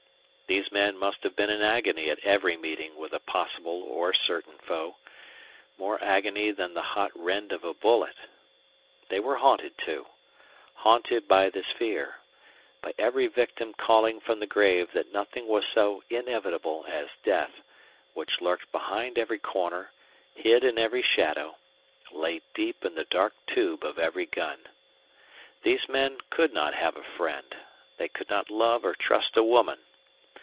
These men must have been in agony at every meeting with a possible or certain foe more agony than the hot rend of a bullet. They were haunted, too, haunted by this fear, by every victim calling from the grave that nothing was so inevitable as death, which lurked behind every corner, hid in every shadow, lay deep in the dark tube of every gun. These men could not have a friend; they could not love or trust a woman.